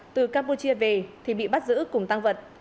từ campuchia về thì bị bắt giữ cùng tăng vật